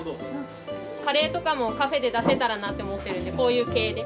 カレーとかもカフェで出せたらなって思ってるんでこういう系で。